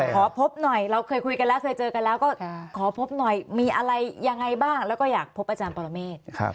ขอพบหน่อยเราเคยคุยกันแล้วเคยเจอกันแล้วก็ขอพบหน่อยมีอะไรยังไงบ้างแล้วก็อยากพบอาจารย์ปรเมฆ